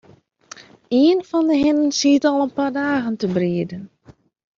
Ien fan 'e hinnen sit al in pear dagen te brieden.